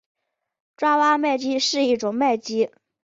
爪哇麦鸡是一种麦鸡。